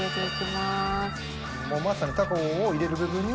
まさにたこを入れる部分に。